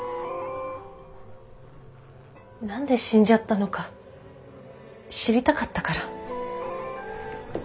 何で死んじゃったのか知りたかったから。